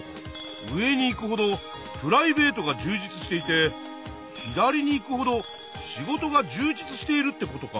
上に行くほどプライベートが充実していて左に行くほど仕事が充実しているってことか。